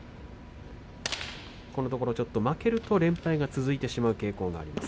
このところちょっと負けると連敗が続いてしまう傾向があります。